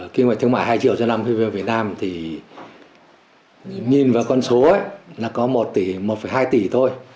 kim ngạch thương mại hai triệu cho nam phi với việt nam thì nhìn vào con số là có một tỷ một hai tỷ thôi